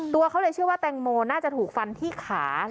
ตัวเขาเลยเชื่อว่าแตงโมน่าจะถูกฟันที่ขา